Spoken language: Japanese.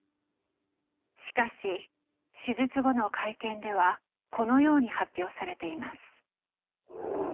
しかし手術後の会見ではこのように発表されています。